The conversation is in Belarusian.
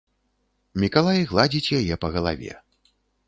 Мікалай гладзіць яе па галаве.